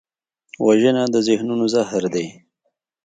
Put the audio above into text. وژنه د ذهنونو زهر دی